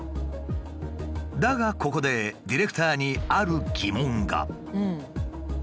だがここでディレクターにある疑問が。